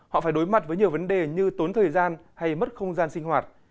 họ phải đối mặt với nhiều vấn đề như tốn thời gian hay mất không gian sinh hoạt